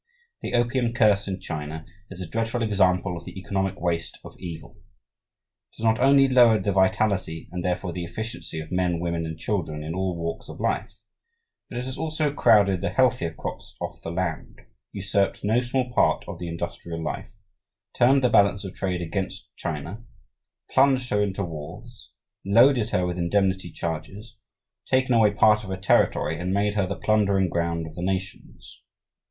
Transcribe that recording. The opium curse in China is a dreadful example of the economic waste of evil. It has not only lowered the vitality, and therefore the efficiency of men, women, and children in all walks of life, but it has also crowded the healthier crops off the land, usurped no small part of the industrial life, turned the balance of trade against China, plunged her into wars, loaded her with indemnity charges, taken away part of her territory, and made her the plundering ground of the nations.